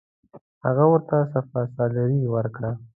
هغه ورته سپه سالاري ورکړه.